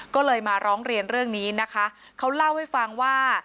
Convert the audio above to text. ก็เลยมาร้องเรียนเรื่องนี้นะคะเขาเล่าให้ฟังว่า